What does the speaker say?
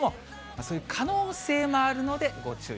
そういう可能性もあるのでご注意